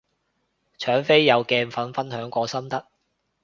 搶飛有鏡粉分享過心得